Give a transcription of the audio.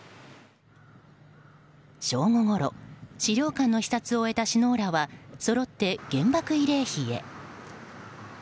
正午ごろ資料館の視察を終えた首脳らはそろって原爆慰霊碑へ。